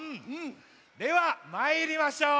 ではまいりましょう。